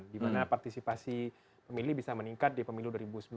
di mana partisipasi pemilih bisa meningkat di pemilu dua ribu sembilan belas